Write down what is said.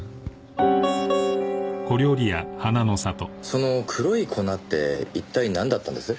その黒い粉って一体なんだったんです？